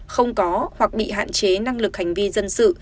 không có hoặc bị hạn chế năng lực hành vi dân sự